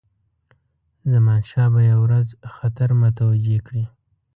زمانشاه به یو ورځ خطر متوجه کړي.